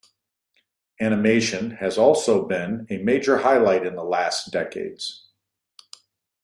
Animation has also been a major highlight in the last decades.